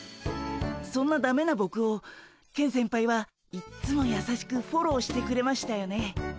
そんなダメなボクをケン先輩はいっつもやさしくフォローしてくれましたよね。